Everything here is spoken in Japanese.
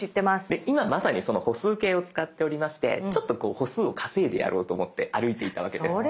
で今まさにその歩数計を使っておりましてちょっとこう歩数を稼いでやろうと思って歩いていたわけです。